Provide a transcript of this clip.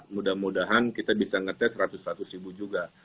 mudah mudahan kita bisa ngetes seratus seratus ribu juga